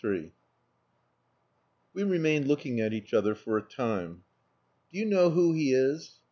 III "We remained looking at each other for a time." "Do you know who he is?"